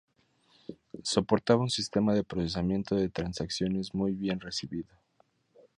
Soportaba un sistema de procesamiento de transacciones muy bien recibido.